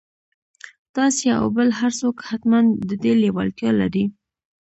تاسې او بل هر څوک حتماً د دې لېوالتيا لرئ.